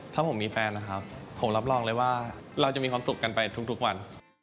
ถ้าผมมีแฟนนะครับผมรับรองเลยว่าเราจะมีความสุขกันไปทุกวัน